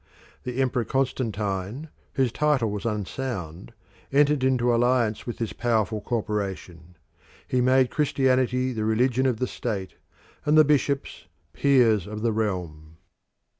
The Emperor Constantine, whose title was unsound, entered into alliance with this powerful corporation. He made Christianity the religion of the state and the bishops peers of the realm.